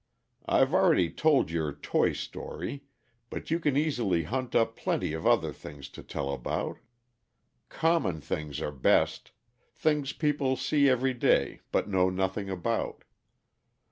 I've already told your toy story, but you can easily hunt up plenty of other things to tell about. Common things are best things people see every day but know nothing about.'